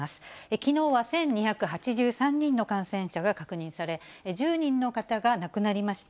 きのうは１２８３人の感染者が確認され、１０人の方が亡くなりました。